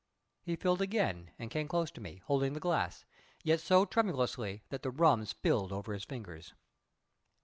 He filled again, and came close to me, holding the glass, yet so tremulously that the rum spilled over his fingers.